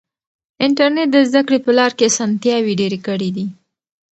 انټرنیټ د زده کړې په لاره کې اسانتیاوې ډېرې کړې دي.